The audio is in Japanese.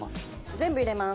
全部入れます。